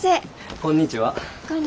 こんにちは。